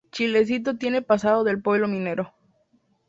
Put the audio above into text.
Chilecito tiene pasado de pueblo minero.